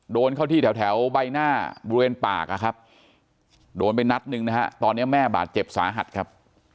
โดนเข้าที่แถวใบหน้าบริเวณปากอะครับโดนไปนัดหนึ่งนะฮะตอนนี้แม่บาดเจ็บสาหัสครับ